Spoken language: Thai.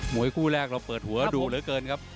วยคู่แรกเราเปิดหัวดูเหลือเกินครับ